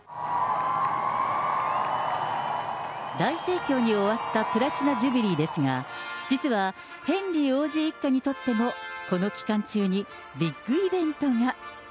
大盛況に終わったプラチナ・ジュビリーですが、実はヘンリー王子一家にとっても、この期間中にビッグイベントが。